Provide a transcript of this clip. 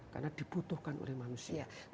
karena dibutuhkan oleh manusia